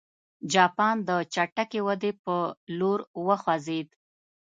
جاپان د چټکې ودې په لور وخوځېد.